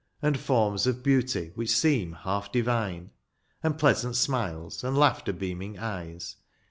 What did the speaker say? And forms of beauty which seem half divine. And pleasant smiles, and laughter beaming eyes.